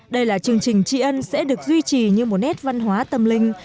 đây là chương trình tri ân sẽ được duy trì như một nét văn hóa tâm linh